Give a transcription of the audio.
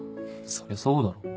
そりゃそうだろ。